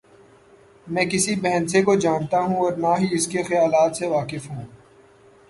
میں کسی بھینسے کو جانتا ہوں اور نہ ہی اس کے خیالات سے واقف ہوں۔